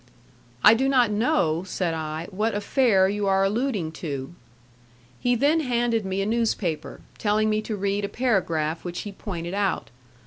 "I do not know," said I, "what affair you are alluding to." He then handed me a newspaper, telling me to read a paragraph which he pointed out.